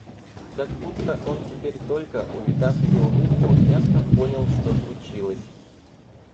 Как будто он теперь только, увидав ее улыбку, ясно понял, что случилось.